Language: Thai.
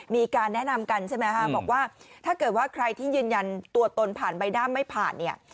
มีการแนะนำกันใช่ไหมฮะบอกว่าถ้าเกิดว่าใครที่ยืนยันตัวตนผ่านใบหน้าไม่ผ่านเนี่ย